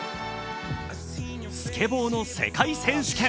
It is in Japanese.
スケボの世界選手権。